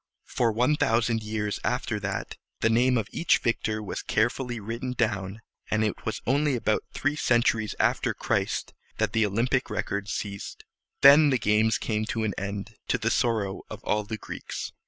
For one thousand years after that, the name of each victor was carefully written down; and it was only about three centuries after Christ that the Olympic records ceased. Then the games came to an end, to the sorrow of all the Greeks.